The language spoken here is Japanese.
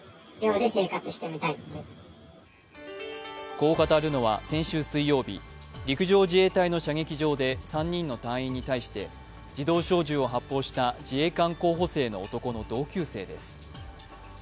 こう語るのは先週水曜日、陸上自衛隊の射撃場で３人の隊員に対して自動小銃を発砲した自衛官候補生の男の同級生です。